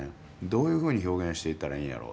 どういうふうに表現していったらええんやろ。